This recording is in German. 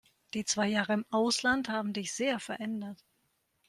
Die zwei Jahre im Ausland haben dich sehr verändert.